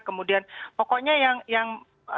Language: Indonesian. kemudian pokoknya yang